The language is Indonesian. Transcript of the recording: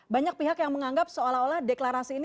banyak pihak yang menganggap seolah olah deklarasi ini